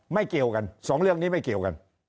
เกี่ยวกันสองเรื่องนี้ไม่เกี่ยวกัน